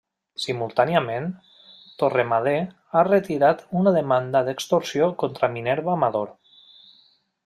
Simultàniament, Torremadé ha retirat una demanda d'extorsió contra Minerva Amador.